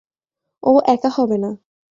ও একা হবে না।